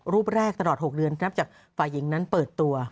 รูปแรกตลอด๖เดือนนับจากฝ่ายหญิงนั้นเปิดตัว